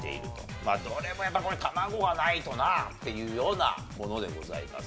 どれも卵がないとなっていうようなものでございます。